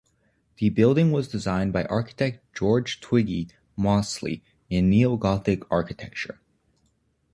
The building was designed by architect George Twigge Molecey, in neo Gothic architecture.